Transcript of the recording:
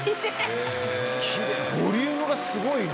ボリュームがスゴいな。